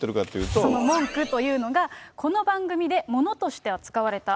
その文句というのが、この番組でものとして扱われた。